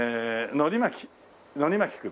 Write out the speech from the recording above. のり巻君。